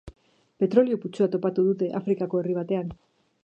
Petrolio-putzua topatu dute Afrikako herri batean.